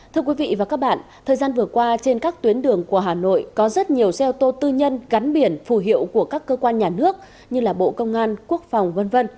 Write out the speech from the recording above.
thưa quý vị và các bạn thời gian vừa qua trên các tuyến đường của hà nội có rất nhiều xe ô tô tư nhân gắn biển phù hiệu của các cơ quan nhà nước như bộ công an quốc phòng v v